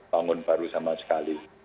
bangun baru sama sekali